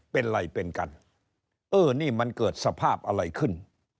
เป็นไรเป็นกันเออนี่มันเกิดสภาพอะไรขึ้น